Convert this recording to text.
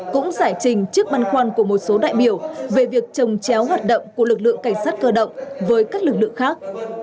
cũng giải trình trước băn khoăn của một số đại biểu về việc trồng chéo hoạt động của lực lượng cảnh sát cơ động với các lực lượng khác